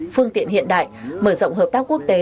phương tiện hiện đại mở rộng hợp tác quốc tế